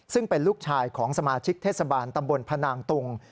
ซึ่งเป็นลูกชายของสมาชิกเทศบาลตำบลพนางตุง